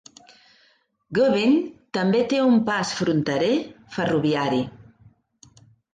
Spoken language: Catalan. Gubin també té un pas fronterer ferroviari.